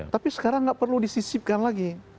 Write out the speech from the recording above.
tapi sekarang nggak perlu disisipkan lagi